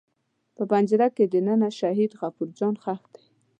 په پنجره کې دننه شهید غفور جان ښخ دی.